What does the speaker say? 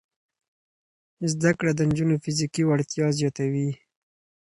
زده کړه د نجونو فزیکي وړتیا زیاتوي.